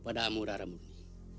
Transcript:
pada amur aramuni